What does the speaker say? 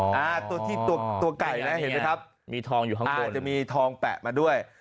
อ๋อตัวที่ตัวกล่องกลางละเออฮะอ่าจะมีทองแปะมาด้วย